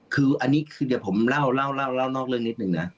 คืออันนี้คือเดี๋ยวผมเล่านอกเรื่องนิดนึงนะ